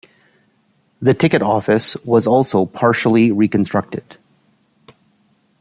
The ticket office was also partially reconstructed.